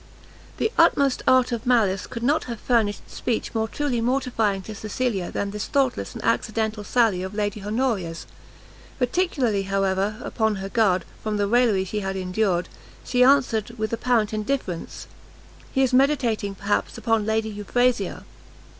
The utmost art of malice could not have furnished speech more truly mortifying to Cecilia than this thoughtless and accidental sally of Lady Honoria's; particularly, however, upon her guard, from the raillery she had already endured, she answered, with apparent indifference, "he is meditating, perhaps, upon Lady Euphrasia."